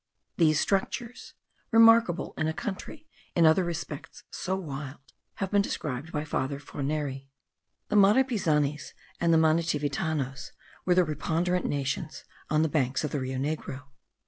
These structures, remarkable in a country in other respects so wild, have been described by Father Forneri. The Marepizanas and the Manitivitanos were the preponderant nations on the banks of the Rio Negro.